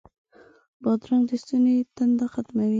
بادرنګ د ستوني تنده ختموي.